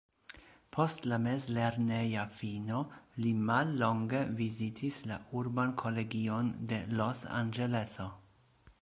Post la mezlerneja fino li mallonge vizitis la urban kolegion de Los-Anĝeleso.